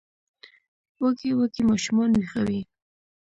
وږي وږي ماشومان ویښوي